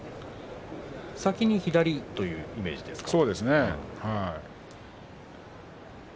先に左というイメージですか。